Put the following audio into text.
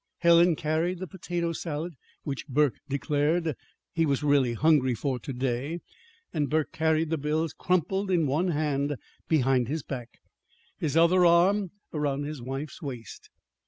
Helen carried the potato salad (which Burke declared he was really hungry for to day), and Burke carried the bills crumpled in one hand behind his back, his other arm around his wife's waist.